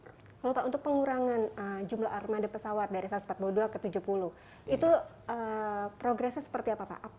kalau pak untuk pengurangan jumlah armada pesawat dari satu ratus empat puluh dua ke tujuh puluh itu progresnya seperti apa pak